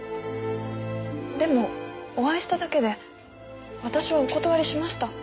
でもお会いしただけで私はお断りしました。